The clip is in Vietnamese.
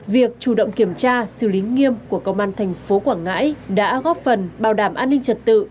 việc chủ động kiểm tra xử lý nghiêm của công an thành phố quảng ngãi đã góp phần bảo đảm an ninh trật tự